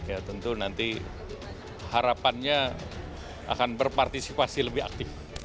ya tentu nanti harapannya akan berpartisipasi lebih aktif